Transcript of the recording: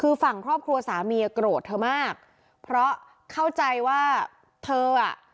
คือฝั่งครอบครัวสามีโกรธเธอมากเพราะเข้าใจว่าเธออ่ะ